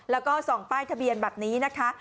แล้วก็ส่องป้ายทะเบียนแบบนี้นะคะ